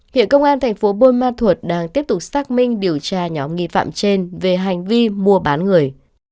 hiện công an thành phố buôn ma thuột đang tiếp tục xác minh điều tra nhóm nghi phạm trên về hành vi mua bán người